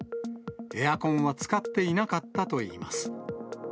エアコンは使っていなかったといいます。